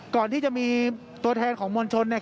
ก่อนที่จะมีตัวแทนของมลชน